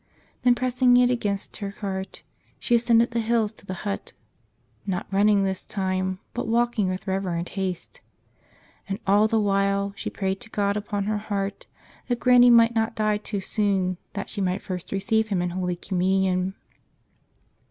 Then pressing it against her heart she ascended the hills to the hut — not running this time, but walking with reverent haste. And all the while she prayed to God upon her heart that Granny might not die too soon, that she might first receive Him in Holy Communion.